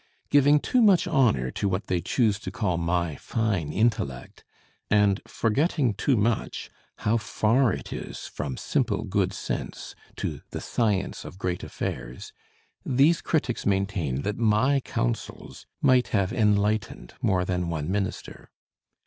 Giving too much honor to what they choose to call my fine intellect, and forgetting too much how far it is from simple good sense to the science of great affairs, these critics maintain that my counsels might have enlightened more than one minister.